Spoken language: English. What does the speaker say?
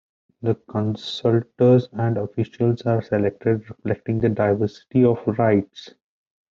The consultors and officials are selected reflecting the diversity of rites.